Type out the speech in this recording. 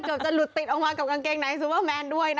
เกือบจะหลุดติดออกออกมากับกางเกงนายซูเปอร์แมนด้วย